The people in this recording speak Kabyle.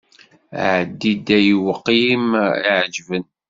Ɛeddi-d ayweq i m-iɛǧeb.